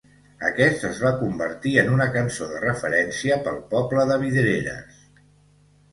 Aquest es va convertir en una cançó de referència pel poble de Vidreres.